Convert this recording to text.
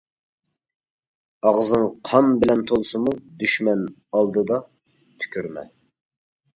ئاغزىڭ قان بىلەن تولسىمۇ، دۈشمەن ئالدىدا تۈكۈرمە.